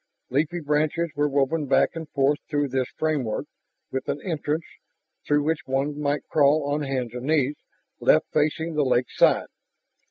Leafy branches were woven back and forth through this framework, with an entrance, through which one might crawl on hands and knees, left facing the lakeside.